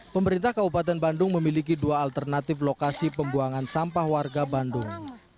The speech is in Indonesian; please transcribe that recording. pemerintah kabupaten bandung memiliki dua alternatif lokasi pembuangan sampah warga bandung